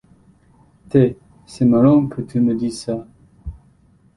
Té, c’est marrant que tu me dises ça !